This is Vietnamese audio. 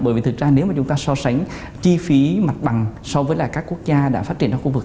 bởi vì thực ra nếu mà chúng ta so sánh chi phí mặt bằng so với là các quốc gia đã phát triển trong khu vực